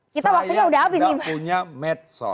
kita waktunya udah habis nih saya enggak punya medsos